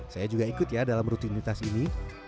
saya juga ikut ya dalam rutinitas ini